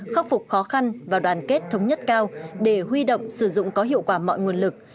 khắc phục khó khăn và đoàn kết thống nhất cao để huy động sử dụng có hiệu quả mọi nguồn lực